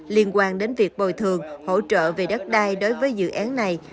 liên quan đến việc bồi thường hỗ trợ về đất đai đối với dự án này